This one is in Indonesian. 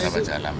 rawat jalan mas